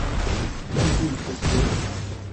放進一個時間軸